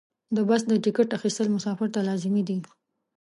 د بس د ټکټ اخیستل مسافر ته لازمي دي.